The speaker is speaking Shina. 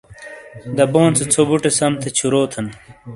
دبون سے ژھو بُوٹے سم تھےچھُوروتھن!